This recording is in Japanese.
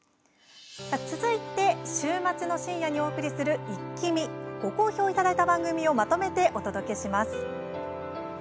続いて、週末の深夜にお送りする「イッキ見！」ご好評いただいた番組をまとめてお届けします。